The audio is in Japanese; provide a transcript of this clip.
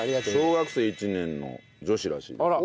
小学生１年の女子らしいです。